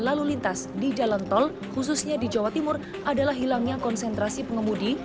lalu lintas di jalan tol khususnya di jawa timur adalah hilangnya konsentrasi pengemudi